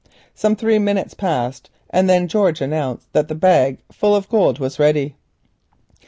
Some three minutes passed, and then George announced that the bagful of gold was ready.